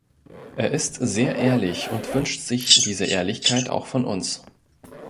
Er ist sehr ehrlich und wünscht sich diese Ehrlichkeit auch von uns.